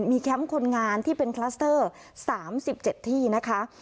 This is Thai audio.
มีแคมป์คนงานที่เป็นคลัสเตอร์๓๗ที่นะคะ